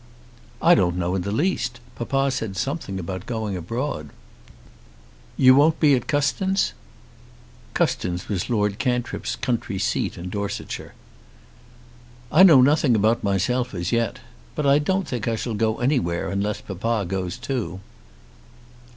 "I don't know in the least. Papa said something about going abroad." "You won't be at Custins?" Custins was Lord Cantrip's country seat in Dorsetshire. "I know nothing about myself as yet. But I don't think I shall go anywhere unless papa goes too."